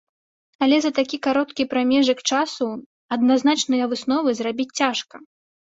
Але за такі кароткі прамежак часу адназначныя высновы зрабіць цяжка.